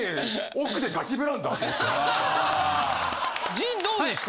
陣どうですか？